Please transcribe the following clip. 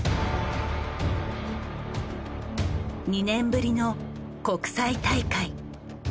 ２年ぶりの国際大会。